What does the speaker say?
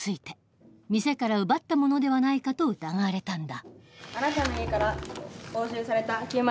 店から奪ったものではないかと疑われたんだ。